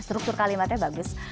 struktur kalimatnya bagus